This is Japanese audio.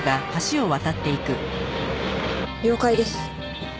了解です。